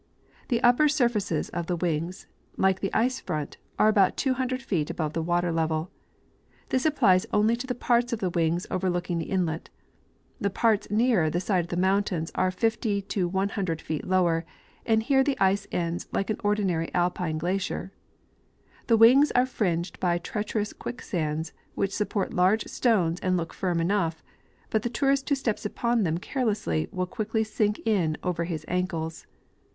* The upper surfaces of the wings, like the ice front, are about 200 feet above the water level. This applies only to the parts of the wings overlooking the inlet ; the parts nearer the side mountains are •'jO to 100 feet lower ; and here the ice ends like an ordinary alpine glacier. The wings are fringed by treacherous ciuicksands, which support large stones and look firm enough ; but the tourist who steps upon them carelessly will quickly sink in over his ankles.